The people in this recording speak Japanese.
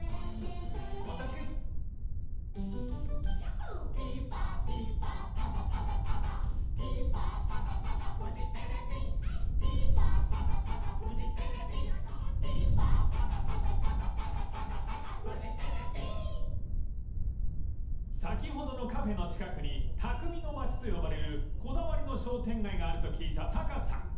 ぷはーっ［先ほどのカフェの近くに匠の街と呼ばれるこだわりの商店街があると聞いたタカさん］